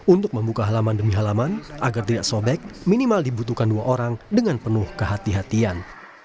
untuk membuka halaman demi halaman agar tidak sobek minimal dibutuhkan dua orang dengan penuh kehatian